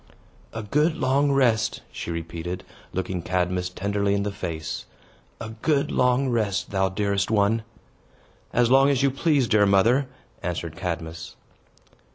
"A good long rest!" she repeated, looking Cadmus tenderly in the face. "A good long rest, thou dearest one!" "As long as you please, dear mother," answered Cadmus.